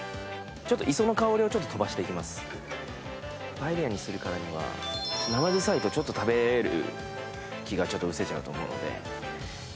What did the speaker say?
パエリアにするからには生臭いとちょっと食べる気がうせちゃうと思うので。